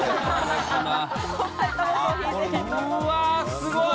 うわ、すごい。